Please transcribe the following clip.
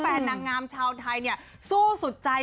นางงามชาวไทยเนี่ยสู้สุดใจ